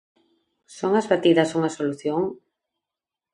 Son as batidas unha solución?